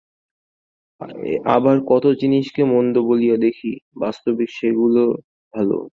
আবার কত জিনিষকে মন্দ বলিয়া দেখি, বাস্তবিক সেগুলি ভাল।